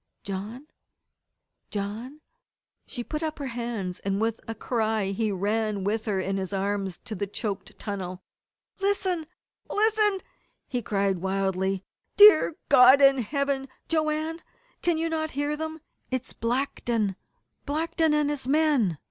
"John John " She put up her hands, and with a cry he ran with her in his arms to the choked tunnel. "Listen! Listen!" he cried wildly. "Dear God in Heaven, Joanne can you not hear them? It's Blackton Blackton and his men!